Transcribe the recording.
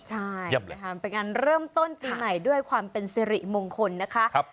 ใช่เริ่มต้นปีใหม่ด้วยความเป็นสิริมงคลนะคะ